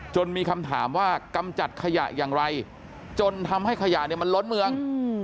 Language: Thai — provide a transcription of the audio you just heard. มีคำถามว่ากำจัดขยะอย่างไรจนทำให้ขยะเนี่ยมันล้นเมือง